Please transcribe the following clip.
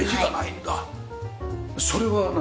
それは何？